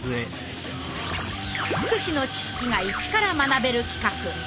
福祉の知識が一から学べる企画「フクチッチ」。